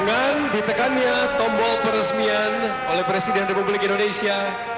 dengan ditekannya tombol peresmian oleh presiden republik indonesia